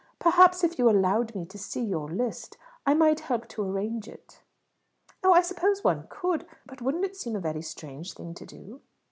Perhaps if you allowed me to see your list I might help to arrange it." "Oh, I suppose one could; but wouldn't it seem a very strange thing to do?"